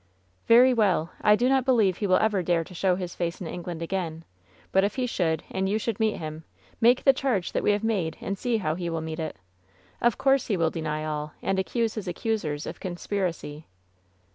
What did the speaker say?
"Very well. I do not believe he will ever dare to show his face in England again; but if he should, and you should meet him, make the charge that we have made and see how he will meet it. Of course he will deny all and accuse his accusers of conspiracy."